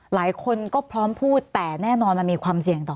หลายคนพูดแน่นอนมันมีความเสี่ยงต่อ